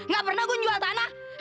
gak pernah gue jual tanah